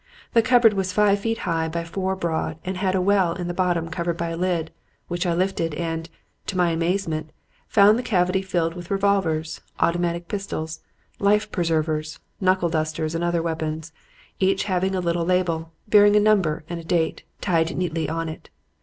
The cupboard was five feet high by four broad and had a well in the bottom covered by a lid, which I lifted and, to my amazement, found the cavity filled with revolvers, automatic pistols, life preservers, knuckle dusters and other weapons, each having a little label bearing a number and a date tied neatly on it.